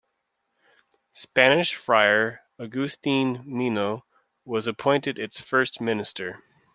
Spanish Friar Agustin Mino was appointed its first minister.